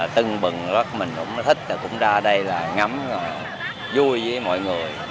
tân bừng rất mình cũng thích cũng ra đây là ngắm vui với mọi người